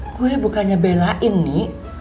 gue bukannya belain nih